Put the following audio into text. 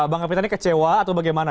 bang kapita ini kecewa atau bagaimana